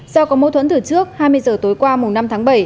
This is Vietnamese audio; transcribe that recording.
do có mâu thuẫn từ trước hai mươi giờ tối qua mùng năm tháng bảy